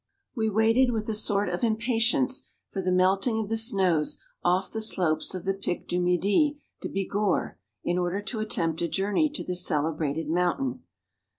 We waited with a sort of impatience for the melting of the snows off the slopes of the Pic du Midi de Bigorre, in order to attempt a journey to this cele¬ brated mountain.